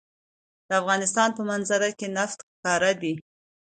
د افغانستان په منظره کې نفت ښکاره ده.